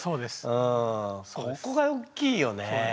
うんそこが大きいよね。